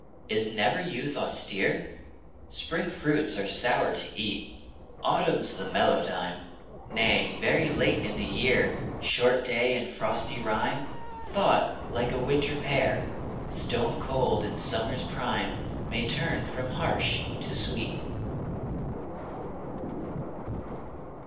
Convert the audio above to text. Is never Youth austere? Spring fruits are sour to eat; Autumn's the mellow time. Nay, very late in the year, Short day and frosty rime, Thought, like a winter pear, Stone cold in summer's prime, May turn from harsh to sweet.